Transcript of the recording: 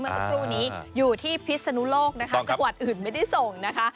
เมื่อสักครู่นี้อยู่ที่พิษสนุโลกนะคะต้องครับสวัสดิ์อื่นไม่ได้ส่งนะคะ